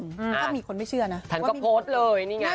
ถ้ามีคนไม่เชื่อนะ